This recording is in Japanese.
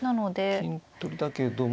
金取りだけども。